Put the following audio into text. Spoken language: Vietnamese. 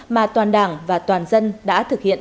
mà toàn đảng và toàn dân đã thực hiện